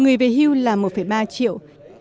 người về hưu là một ba triệu